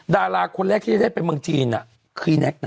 ดาราคนแรกที่จะได้ไปเมืองจีนคือแน็กนะ